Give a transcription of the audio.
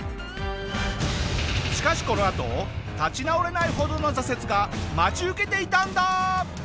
しかしこのあと立ち直れないほどの挫折が待ち受けていたんだ！